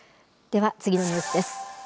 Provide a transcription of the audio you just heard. では次のニュースです。